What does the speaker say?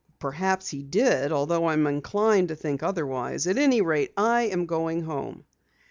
"Perhaps he did, although I'm inclined to think otherwise. At any rate, I am going home!"